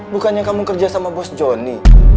bukannya kamu kerjasama bos johnny